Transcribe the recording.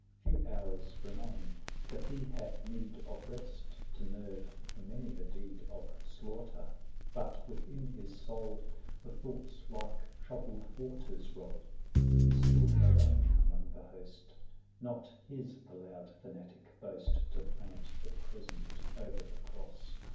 Few hours remain, and he hath need Of rest, to nerve for many a deed Of slaughter; but within his soul H^ The thoughts like troubled waters roll. 250 He stood alone among the host; Not his the loud fanatic boast To plant the crescent o'er the cross.